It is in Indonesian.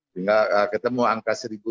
jika ketemu angkasa